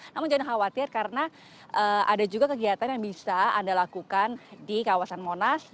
namun jangan khawatir karena ada juga kegiatan yang bisa anda lakukan di kawasan monas